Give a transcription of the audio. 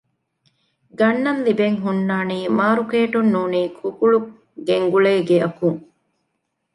ގަންނަން ލިބެން ހުންނާނީ މާރުކޭޓުން ނޫނީ ކުކުޅު ގެންގުޅޭ ގެއަކުން